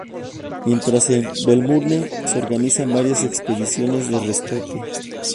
Mientras, en Melbourne, se organizan varias expediciones de rescate.